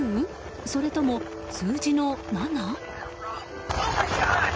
それとも数字の７？